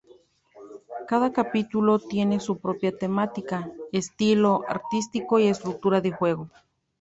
Cada capítulo tiene su propia temática, estilo artístico y estructura de juego.